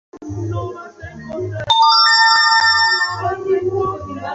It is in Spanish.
Inicialmente, el culto a la personalidad estaba enfocada en el propio Ceauşescu.